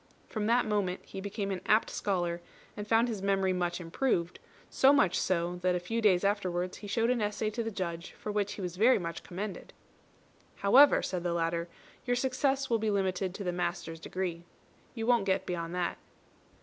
From that moment he became an apt scholar, and found his memory much improved; so much so, that a few days afterwards he showed an essay to the Judge for which he was very much commended. "However," said the latter, "your success will be limited to the master's degree. You won't get beyond that."